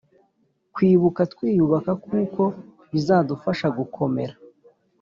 Kwibuke twiyubaka kuko bizadufasha gukomera